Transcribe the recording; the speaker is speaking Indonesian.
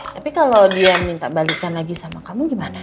tapi kalau dia minta balikan lagi sama kamu gimana